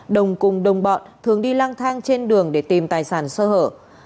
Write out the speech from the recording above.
đồng cùng đồng bọn thường đi lang thang trên đường để tìm tài sản sơ hở